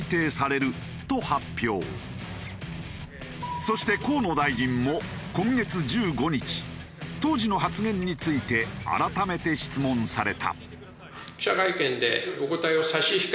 そして河野大臣も今月１５日当時の発言について改めて質問された。